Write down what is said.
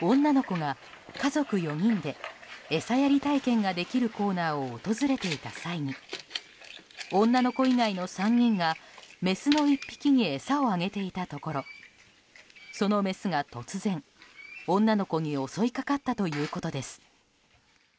女の子が家族４人で餌やり体験ができるコーナーを訪れていた際に女の子以外の３人がメスの１匹に餌をあげていたところそのメスが突然、女の子に襲いかかったということです。